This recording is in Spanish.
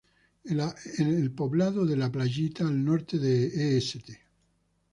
En el poblado de La Playita, al norte de Est.